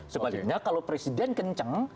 sebaliknya kalau presiden kencang